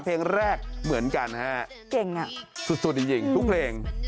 เพลงแรกเหมือนกันฮะเก่งอ่ะสุดจริงทุกเพลง